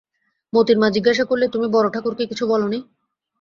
মোতির মা জিজ্ঞাসা করলে, তুমি বড়োঠাকুরকে কিছু বল নি?